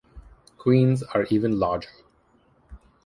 Queens are even larger.